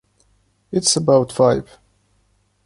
It's about five.